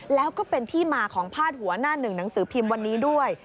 แล้วก็เป็นที่มาของพาดหัวหน้าหนึ่งหนังสือพิมพ์วันนี้ด้วย